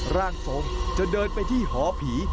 ร่างทรงจะเดินไปที่หอผี